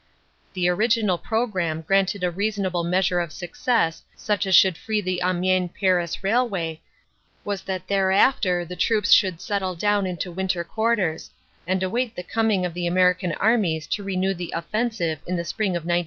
The original programme granted a reasonable measure of success such as should free the Amiens Paris railway was that there after the troops should settle down into winter quarters, and await the coming of the American armies to renew the offen sive in the spring of 1919.